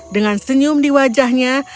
dengan senyum di wajahnya